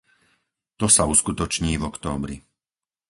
To sa uskutoční v októbri.